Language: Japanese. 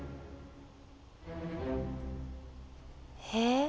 え？